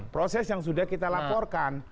proses yang sudah kita laporkan